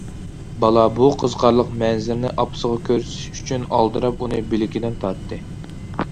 بالا بۇ قىزىقارلىق مەنزىرىنى ئاپىسىغا كۆرسىتىش ئۈچۈن ئالدىراپ ئۇنى بىلىكىدىن تارتتى.